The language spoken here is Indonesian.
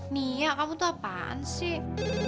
nia kamu tuh apaan sih